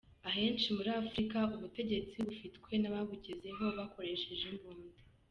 Ahenshi muri Afurika ubutegetsi bufitwe n’ ababugezeho bakoresheje imbunda.